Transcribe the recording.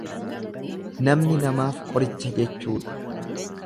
Namni namaaf qoricha jechuudha.